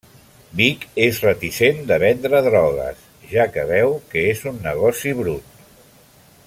Vic és reticent de vendre drogues, ja que veu que és un negoci brut.